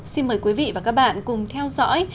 xin mời quý vị và các bạn cùng theo dõi